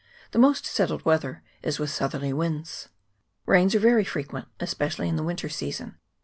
The most settled weather is with southerly winds. Rains are very frequent, especially in the winter season.